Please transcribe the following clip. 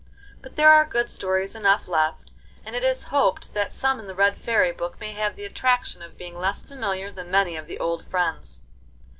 But there are good stories enough left, and it is hoped that some in the Red Fairy Book may have the attraction of being less familiar than many of the old friends.